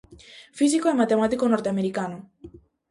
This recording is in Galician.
Físico e matemático norteamericano.